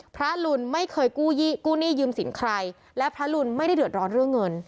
ลุนไม่เคยกู้หนี้ยืมสินใครและพระรุนไม่ได้เดือดร้อนเรื่องเงิน